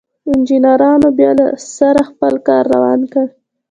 انجنيرانو بيا له سره خپل کار روان کړ.